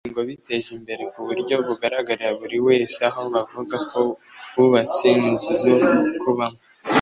Aba bahinzi ngo biteje imbere ku buryo bugaragarira buri wese aho bavuga ko bubatse inzu zo kubamo